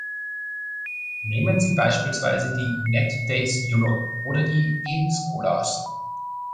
Nehmen Sie beispielsweise die Netdays Europe oder die e-scolas.